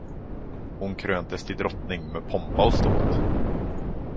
Hon kröntes till drottning med pompa och ståt.